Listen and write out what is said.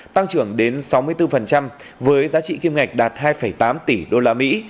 tăng trưởng đến sáu mươi bốn với giá trị kiếm ngạch đạt hai tám tỷ usd